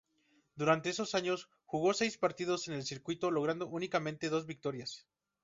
Durante esos años jugó seis partidos en el circuito, logrando únicamente dos victorias.